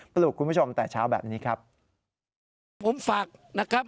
ปรุกคุณผู้ชมแต่เช้าแบบนี้ครับ